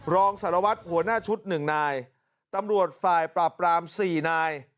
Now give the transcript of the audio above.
รองสารวัตรหัวหน้าชุดหนึ่งนายตำรวจฝ่ายปราบปราม๔นาย